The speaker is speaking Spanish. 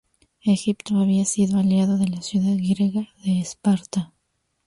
Egipto había sido aliado de la ciudad griega de Esparta.